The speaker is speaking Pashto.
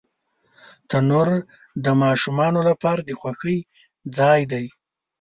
تنور د ماشومانو لپاره د خوښۍ ځای دی